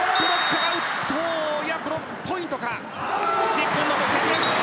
日本の得点です。